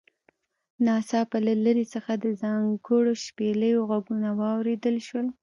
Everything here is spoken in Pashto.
ناڅاپه له لرې څخه د ځانګړو شپېلیو غږونه واوریدل شول